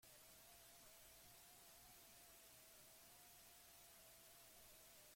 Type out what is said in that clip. Egin duzun guztia ez galtzeko, gogoratu joan aurretik gordetzea.